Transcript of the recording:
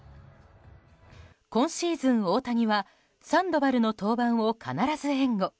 今シーズン、大谷はサンドバルの登板を必ず援護。